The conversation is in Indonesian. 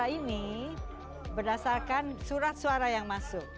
ini berdasarkan surat suara yang masuk